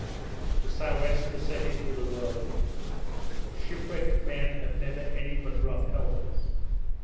The sou' wester set in with a whirlwind. Shipwrecked men have never any but rough helpers.